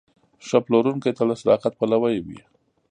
ښه پلورونکی تل د صداقت پلوی وي.